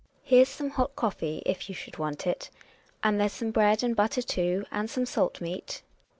Here's some hot coffee, if you should want it. And there's some bread and butter too, and some salt meat.